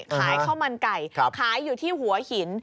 ขายข้าวมันไก่ขายอยู่ที่หัวหิน